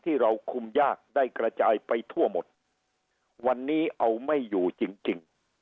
ที่เราคุมยากได้กระจายไปทั่วหมดวันนี้เอาไม่อยู่จริงจริง